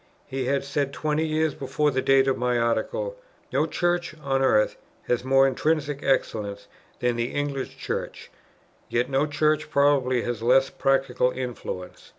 He had said twenty years before the date of my Article: "No Church on earth has more intrinsic excellence than the English Church, yet no Church probably has less practical influence....